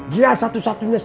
dia satu satunya saksi